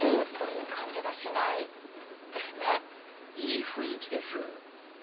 いい雰囲気です